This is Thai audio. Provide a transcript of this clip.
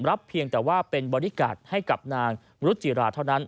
รับเพียงแต่ว่าเป็นบริกัดให้กับนางสารุจิราเท่านั้น